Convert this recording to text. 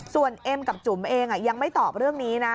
ส่วนเอ็มกับจุ๋มเองยังไม่ตอบเรื่องนี้นะ